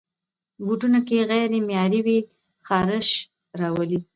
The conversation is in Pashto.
بوټونه که غیر معیاري وي، خارش راولي.